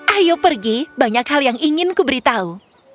ayo pergi banyak hal yang ingin kuberitahu